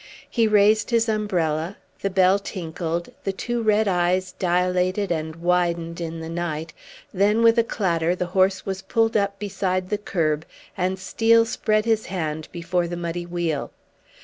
He raised his umbrella, the bell tinkled, the two red eyes dilated and widened in the night, then with a clatter the horse was pulled up beside the curb, and Steel spread his hand before the muddy wheel.